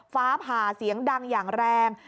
ฟ้าผ่าเสียงดังอย่างแรง